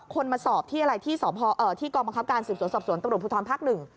คนมาสอบที่กรมขับการสูบศูนย์สอบสวนตะโรธผู้ท้อนภาค๑